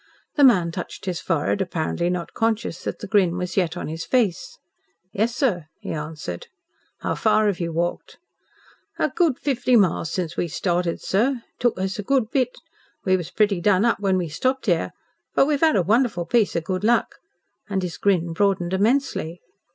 The man touched his forehead, apparently not conscious that the grin was yet on his face. "Yes, sir," he answered. "How far have you walked?" "A good fifty miles since we started, sir. It took us a good bit. We was pretty done up when we stopped here. But we've 'ad a wonderful piece of good luck." And his grin broadened immensely.